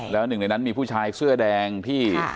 แล้วหนึ่งในนั้นมีผู้ชายเสื้อแดงที่